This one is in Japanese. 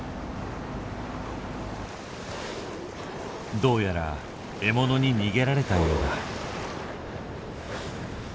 どうやら獲物に逃げられたようだ。